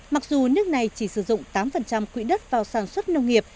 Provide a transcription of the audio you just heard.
mặc dù nước này chỉ sử dụng tám quỹ đất vào sản xuất nông nghiệp